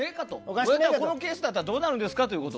こういうケースだったらどうなんですかと？